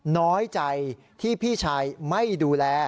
น้อยใจที่พี่ชายไม่ดูแล